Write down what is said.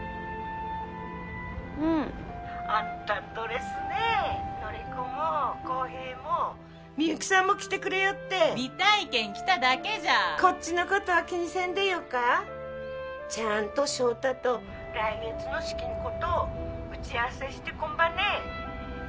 うん☎アンタんドレスね☎のりこも幸平もみゆきさんも来てくれよって見たいけん来ただけじゃこっちのことは気にせんでよかちゃんと翔太と☎来月の式んこと打ち合わせしてこんばね